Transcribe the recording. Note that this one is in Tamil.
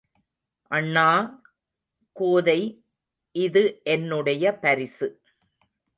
அண்ணா! கோதை, இது என்னுடைய பரிசு.